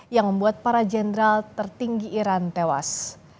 yang membuat para jenderal tertinggi iran tewas